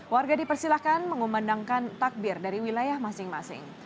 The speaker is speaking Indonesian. warga dipersilahkan mengumandangkan takbir dari wilayah masing masing